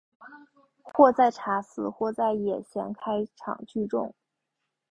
或在茶肆或在野闲开场聚众。